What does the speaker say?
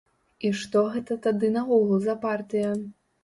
І што гэта тады наогул за партыя?